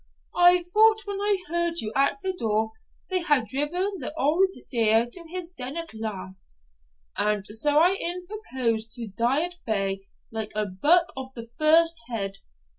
I thought, when I heard you at the door, they had driven the auld deer to his den at last; and so I e'en proposed to die at bay, like a buck of the first head.